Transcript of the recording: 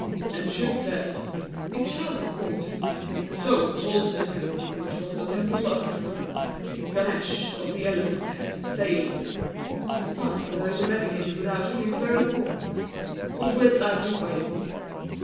And Shiv said, "It shall be looked to," and so he called to the temple, which was the temple of his son, Ganesh of the elephant head, saying, "Son, there is a mendicant without who is very poor. What wilt thou do for him?"